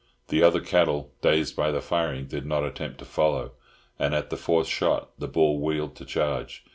The other cattle, dazed by the firing, did not attempt to follow, and at the fourth shot the bull wheeled to charge.